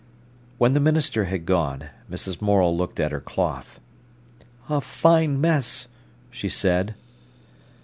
When the minister had gone, Mrs. Morel looked at her cloth. "A fine mess!" she said.